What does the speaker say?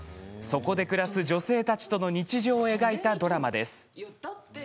そこで暮らす女性たちとの日常を描いたドラマです。